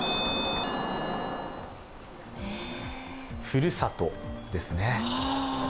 「ふるさと」ですね。